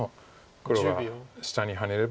黒が下にハネれば引いて。